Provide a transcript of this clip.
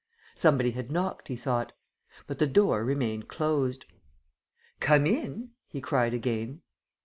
Somebody had knocked, he thought. But the door remained closed. "Come in!" he cried again.